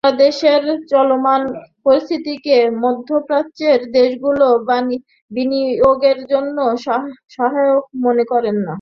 বাংলাদেশের চলমান পরিস্থিতিকে মধ্যপ্রাচ্যের দেশগুলো বিনিয়োগের জন্য সহায়ক মনে করছে না।